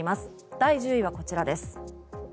第１０位はこちらです。